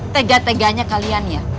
tegah teganya kalian ya